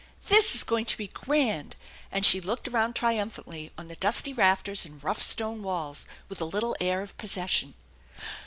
This is going to be grand !" and she looked around triumphantly on the dusty rafters and rough stone walls with a little air of possession.